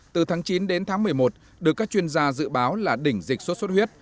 từ tháng chín đến tháng một mươi một được các chuyên gia dự báo là đỉnh dịch sốt xuất huyết